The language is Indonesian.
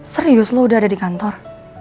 serius lo udah ada di kantor